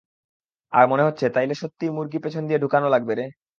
আরে মনে হচ্ছে, তাইলে সত্যিই মুরগি পেছন দিয়ে ঢুকানো লাগবে রে।